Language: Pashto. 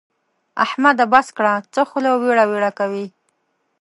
احمده! بس کړه؛ څه خوله ويړه ويړه کوې.